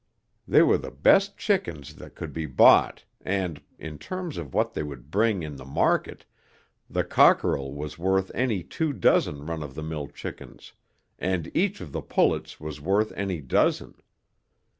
They were the best chickens that could be bought and, in terms of what they would bring in the market, the cockerel was worth any two dozen run of the mill chickens and each of the pullets was worth any dozen.